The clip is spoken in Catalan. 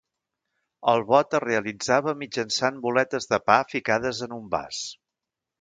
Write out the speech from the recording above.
El vot es realitzava mitjançant boletes de pa ficades en un vas.